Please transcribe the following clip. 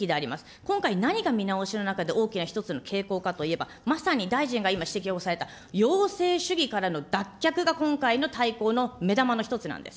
今回、何が見直しの中で大きな１つの傾向かといえば、まさに大臣が今ご指摘された要請主義からの脱却が今回の大綱の目玉の一つなんです。